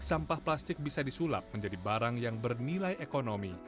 sampah plastik bisa disulap menjadi barang yang bernilai ekonomi